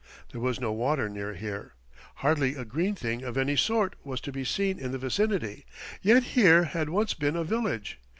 There was no water near here. Hardly a green thing of any sort was to be seen in the vicinity, yet here had once been a village.